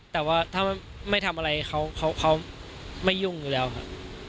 แต่ว่าถ้าไม่ทำอะไรเขาไม่ยุ่งอยู่แล้วครับ